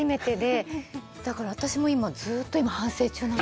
だから私も今ずっと今反省中なんです。